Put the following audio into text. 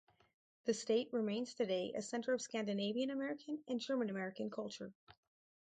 The state remains today a center of Scandinavian American and German American culture.